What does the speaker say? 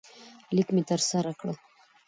لیک مې ترلاسه کړ.